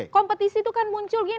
kompetisi itu kan muncul